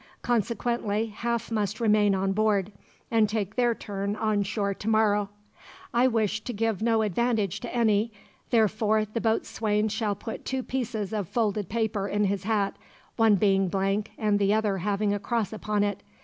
Consequently, half must remain on board, and take their turn on shore tomorrow. I wish to give no advantage to any; therefore the boatswain shall put two pieces of folded paper in his hat, one being blank and the other having a cross upon it.